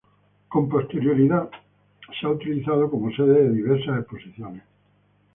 Con posterioridad, ha sido utilizada como sede de diversas exposiciones.